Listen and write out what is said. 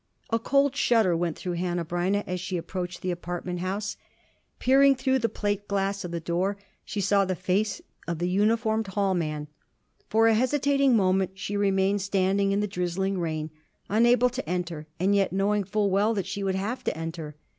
A cold shudder went through Hanneh Breineh as she approached the apartment house. Peering through the plate glass of the door she saw the face of the uniformed hall man. For a hesitating moment she remained standing in the drizzling rain, unable to enter and yet knowing full well that she would have to enter.